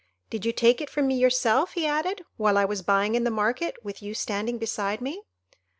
"Did you take it from me yourself," he added, "while I was buying in the market, with you standing beside me?"